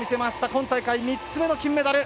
今大会３つ目の金メダル。